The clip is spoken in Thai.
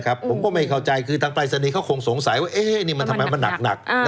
ในขณะหน้าที่ก็จะเห็นวันนี้แต่ทางไปรษณีย์เขาคงสงสัยว่าเอ๊ะนี่ทำไมมันหนัก